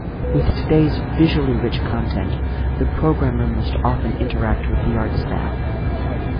With today's visually rich content, the programmer must often interact with the art staff.